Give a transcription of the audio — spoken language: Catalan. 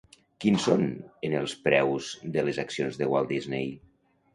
Quins són en els preus de les accions de Walt Disney?